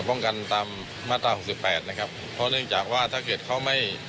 กันตามมาตราหกสิบแปดนะครับเพราะเนื่องจากว่าถ้าเกิดเขาไม่